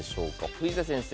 藤田先生。